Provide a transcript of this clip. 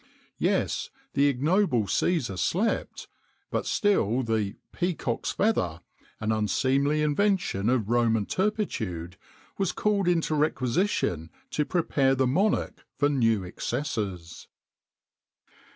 Yes, the ignoble Cæsar slept; but still, the "peacock's feather," an unseemly invention of Roman turpitude, was called into requisition to prepare the monarch for new excesses.